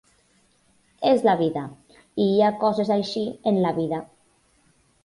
És la vida i hi ha coses així en la vida.